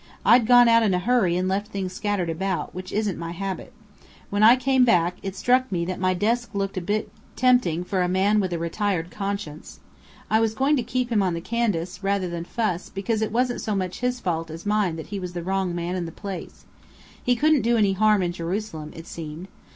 I'd gone out in a hurry and left things scattered about which isn't my habit. When I came back, it struck me that my desk looked a bit tempting for a man with a retired conscience. I was going to keep him on the Candace, rather than fuss, because it wasn't so much his fault as mine that he was the wrong man in the place. He couldn't do any harm in Jerusalem, it seemed.